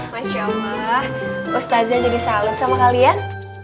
masya allah ustazah jadi salut sama kalian